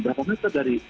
berapa meter dari